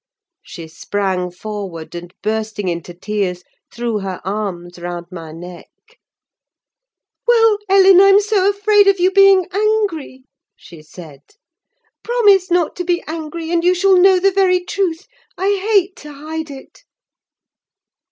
She sprang forward, and bursting into tears, threw her arms round my neck. "Well, Ellen, I'm so afraid of you being angry," she said. "Promise not to be angry, and you shall know the very truth: I hate to hide it."